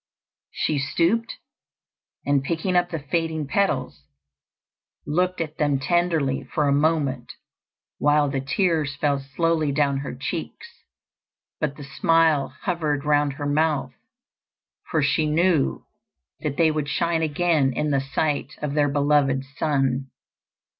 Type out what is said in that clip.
She stooped, and picking up the fading petals, looked at them tenderly for a moment, while the tears fell slowly down her cheeks; but the smile hovered round her mouth; for she knew that they would shine again in the sight of their beloved sun.